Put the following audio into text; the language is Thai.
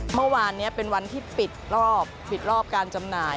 เมื่อวานนี้เป็นวันที่ปิดรอบปิดรอบการจำหน่าย